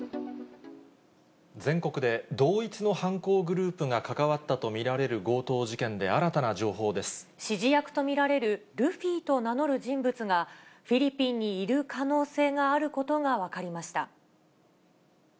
全国で、同一の犯行グループが関わったと見られる強盗事件で新たな情報で指示役と見られる、ルフィと名乗る人物がフィリピンにいる可能性があることが分かりました。